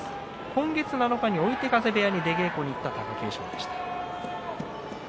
今月７日に追手風部屋に出稽古に行った貴景勝です。